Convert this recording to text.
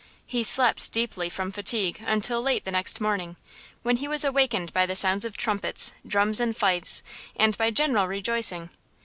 He slept deeply from fatigue until late the next morning, when he was awakened by the sounds of trumpets, drums and fifes, and by general rejoicing.